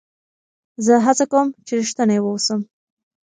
زه هڅه کوم، چي رښتینی واوسم.